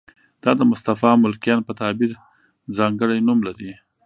دا د مصطفی ملکیان په تعبیر ځانګړی نوم لري.